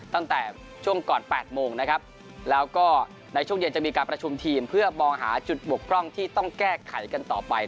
ตั้งแต่ช่วงก่อน๘โมงนะครับแล้วก็ในช่วงเย็นจะมีการประชุมทีมเพื่อมองหาจุดบกพร่องที่ต้องแก้ไขกันต่อไป